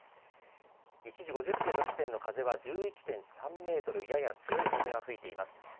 １時５０分の時点の風は１１．３メートルやや強い風が吹いています。